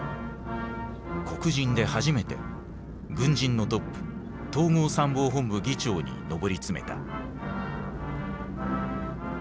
黒人で初めて軍人のトップ統合参謀本部議長に上り詰めた。